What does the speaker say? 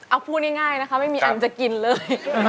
เอาพูดง่ายนะคะไม่มีอันจะกินเลย